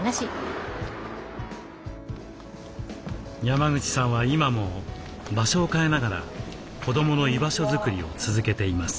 山口さんは今も場所を変えながら子どもの居場所作りを続けています。